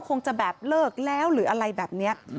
คงจะแบบเลิกแล้วหรืออะไรแบบนี้